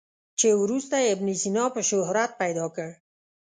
چې وروسته یې ابن سینا په شهرت پیدا کړ.